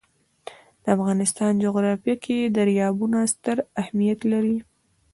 د افغانستان جغرافیه کې دریابونه ستر اهمیت لري.